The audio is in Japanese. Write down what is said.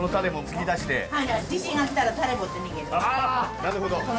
なるほど。